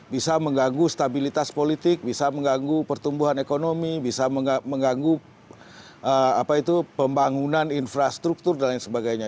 bisa mengganggu stabilitas politik bisa mengganggu pertumbuhan ekonomi bisa mengganggu pembangunan infrastruktur dan lain sebagainya